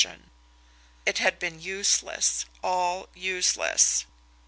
And it had been useless all useless.